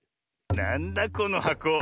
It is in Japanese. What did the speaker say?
なんだこのはこ？